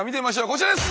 こちらです！